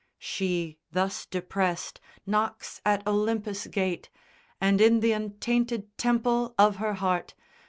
She thus depress'd, knocks at Olympus' gate, And in th' untainted temple of her heart GEORGE CHAPMAN.